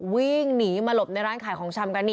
วิ่งหนีมาหลบในร้านขายของชำกันนี่